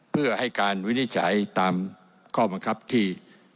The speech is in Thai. เพื่อให้การวินิจฉัยตามข้อบังคับที่